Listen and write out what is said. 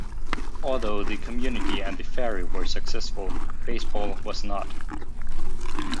Although the community and the ferry were successful, baseball was not.